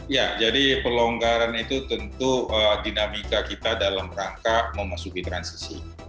ya jadi pelonggaran itu tentu dinamika kita dalam rangka memasuki transisi